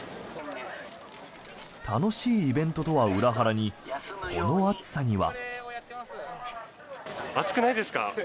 楽しいイベントとは裏腹にこの暑さには。